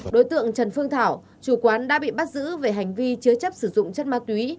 đối tượng trần phương thảo chủ quán đã bị bắt giữ về hành vi chứa chấp sử dụng chất ma túy